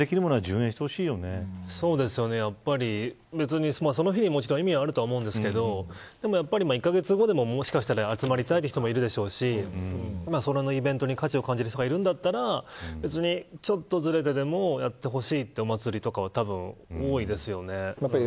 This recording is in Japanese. もちろんその日にやるのは意味があると思うんですけどでもやはり１カ月後でも集まりたい人もいるでしょうしそのイベントに価値を感じる人がいるんだったら別にちょっとずれてでもやってほしいというお祭りとかはたぶん多いですよね。